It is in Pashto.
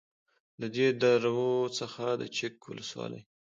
. له دې درو څخه د چک ولسوالۍ